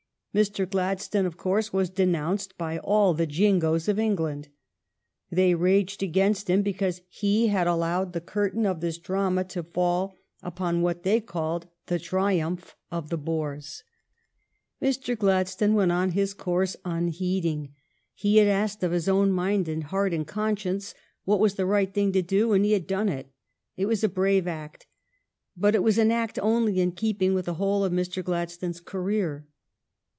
Mr. Glad stone, of course, was denounced by all the Jingoes of England. They raged against him because he had allowed the curtain of this drama to fall upon what they called the triumph of the Boers. Mr. Gladstone went on his course unheeding. He had asked of his own mind and heart and con science what was the right thing to do and he had done it. It was a brave act. But it was an act only in keeping with the whole of Mr. Gladstone s career.